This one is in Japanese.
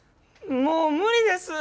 もう無理です！